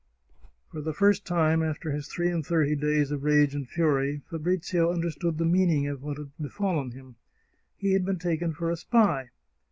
For the first time, after his three and thirty days of rage and fury, Fabrizio understood the meaning of what had befallen him. He had been taken for a spy